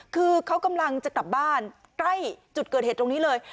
คือเขากำลังจะกลับบ้านใกล้จุดเกิดเหตุตรงนี้เลย